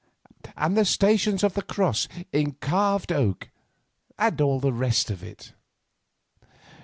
—and the Stations of the Cross in carved oak, and all the rest of it."